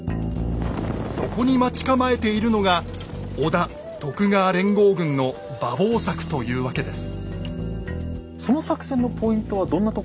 そこに待ち構えているのが織田・徳川連合軍の馬防柵というわけです